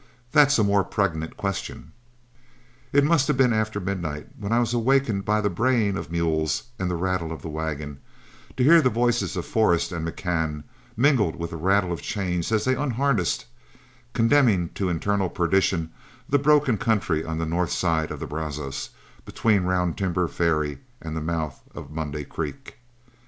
That's a more pregnant question." It must have been after midnight when I was awakened by the braying of mules and the rattle of the wagon, to hear the voices of Forrest and McCann, mingled with the rattle of chains as they unharnessed, condemning to eternal perdition the broken country on the north side of the Brazos, between Round Timber ferry and the mouth of Monday Creek.